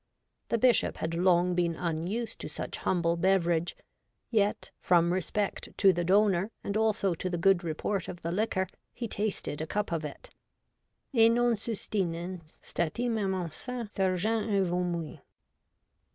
The Bishop had long been unused to such humble beverage, yet, from respect to the donor, and also to the good report of the liquor, he tasted a cup of it — et non sustinens statim a mensa surgens evomuit.